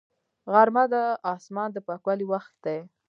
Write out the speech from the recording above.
غرمه د اسمان د پاکوالي وخت دی